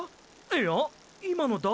いや今の誰？